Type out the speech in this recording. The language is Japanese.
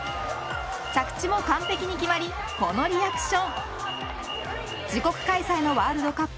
着地も完璧に決まりこのリアクション。